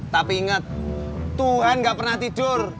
tapi inget tuhan ga pernah tidur